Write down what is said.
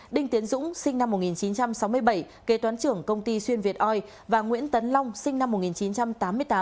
đinh tiến dũng sinh năm một nghìn chín trăm sáu mươi bảy kế toán trưởng công ty xuyên việt oi và nguyễn tấn long sinh năm một nghìn chín trăm tám mươi tám